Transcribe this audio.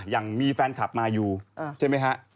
ยังมีแฟนคลับมาอยู่ใช่ไหมฮะ